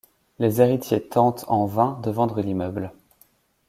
Les héritiers tentent, en vain, de vendre l’immeuble.